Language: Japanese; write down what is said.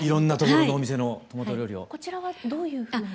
こちらはどういうふうに。